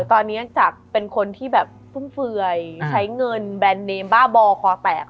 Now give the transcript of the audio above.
ตอนนี้จากเป็นคนที่แบบฟุ่มเฟื่อยใช้เงินแบรนด์เนมบ้าบอคอแตก